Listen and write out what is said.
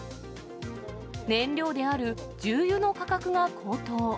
燃料である重油の価格が高騰。